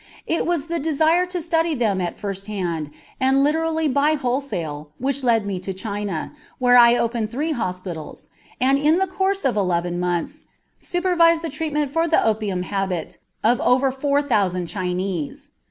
It was the desire to study them at first hand and literally by wholesale which led me to China, where I opened three hospitals, and in the course of eleven months supervised the treatment for the opium habit of over four thousand Chinese.